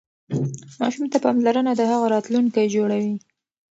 ماشوم ته پاملرنه د هغه راتلونکی جوړوي.